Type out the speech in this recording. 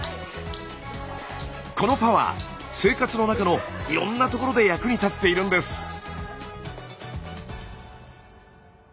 このパワー生活の中のいろんなところで役に立っているんです。